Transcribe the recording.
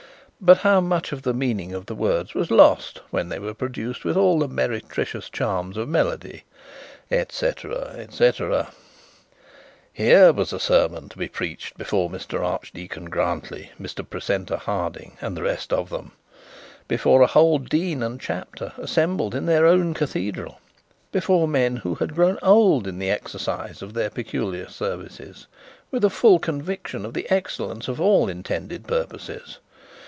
But how much of the meaning of the words was lost when they were produced with all the meretricious charms of melody! &c &c. Here was a sermon to be preached before Mr Archdeacon Grantly, Mr Precentor Harding, and the rest of them! Before a whole dean and chapter assembled in their own cathedral! Before men who had grown old in the exercise of their peculiar services, with a full conviction of their excellence for all intended purposes!